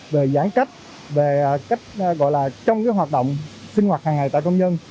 về giãn cách về cách gọi là trong cái hoạt động sinh hoạt hàng ngày tại công nhân